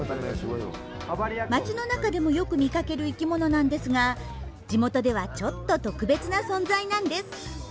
町の中でもよく見かける生きものなんですが地元ではちょっと特別な存在なんです。